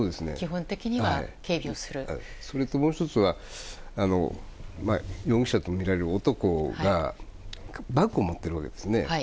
それと、もう１つは容疑者とみられる男がバッグを持っているわけですね。